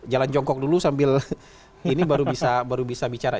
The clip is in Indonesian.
jalan jongkok dulu sambil ini baru bisa bicara